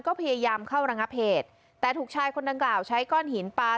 ก็พยายามเข้าระงับเหตุแต่ถูกชายคนดังกล่าวใช้ก้อนหินปลา